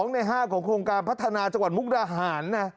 ใน๕ของโครงการพัฒนาจังหวัดมุกดาหารนะ